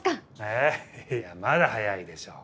えいやまだ早いでしょう。